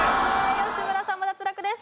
吉村さんも脱落です。